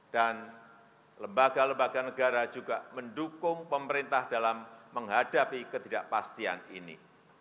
dan lembaga lembaga negara juga mendukung pemerintah dalam menghadapi ketidakpastian ini